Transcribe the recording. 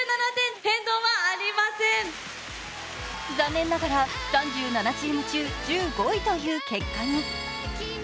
残念ながら３７チーム中１５位という結果に。